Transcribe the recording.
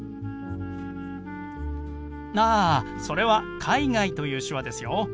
ああそれは「海外」という手話ですよ。